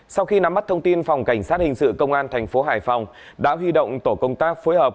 sau khi nắm mắt thông tin phòng cảnh sát hình sự công an thành phố hải phòng đã huy động tổ công tác phối hợp